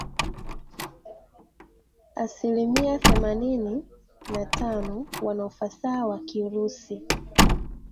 asilimia themanini na tano wana ufasaha wa Kirusi